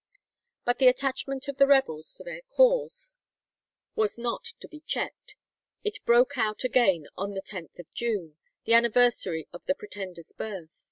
But the attachment of the rebels to their cause was not to be checked. It broke out again on the 10th June, the anniversary of the Pretender's birth.